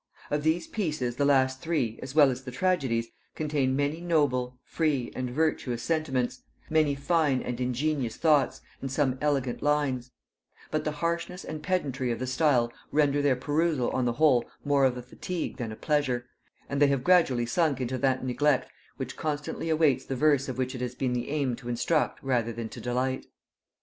Of these pieces the last three, as well as the tragedies, contain many noble, free, and virtuous sentiments; many fine and ingenious thoughts, and some elegant lines; but the harshness and pedantry of the style render their perusal on the whole more of a fatigue than a pleasure, and they have gradually sunk into that neglect which constantly awaits the verse of which it has been the aim to instruct rather than to delight.